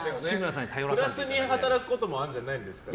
プラスに働くこともあるんじゃないですか。